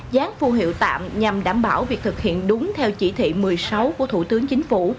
dán phù hiệu tạm nhằm đảm bảo việc thực hiện đúng theo chỉ thị một mươi sáu của thủ tướng chính phủ